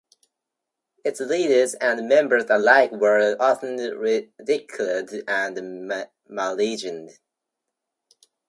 Its leaders and members alike were often ridiculed and maligned.